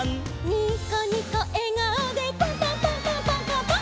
「ニコニコえがおでパンパンパンパンパンパンパン！！」